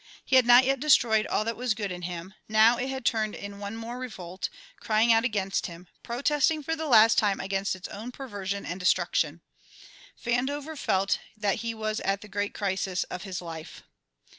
He had not yet destroyed all that was good in him; now it had turned in one more revolt, crying out against him, protesting for the last time against its own perversion and destruction. Vandover felt that he was at the great crisis of his life.